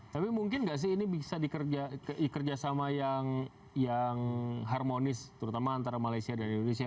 tapi mungkin nggak sih ini bisa dikerjasama yang harmonis terutama antara malaysia dan indonesia